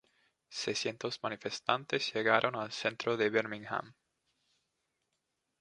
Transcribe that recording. Seiscientos manifestantes llegaron al centro de Birmingham.